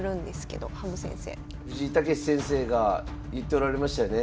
藤井猛先生が言っておられましたよね